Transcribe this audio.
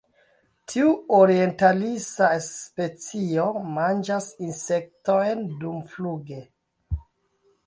Tiu orientalisa specio manĝas insektojn dumfluge.